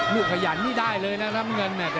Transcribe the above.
ลูกขยันไม่ได้เลยเ